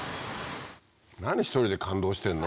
何１人で感動してんの？